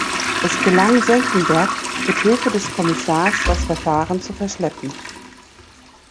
Es gelang Senckenberg mit Hilfe des Kommissars, das Verfahren zu verschleppen.